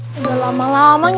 sudah lama lama nyaman sampai sini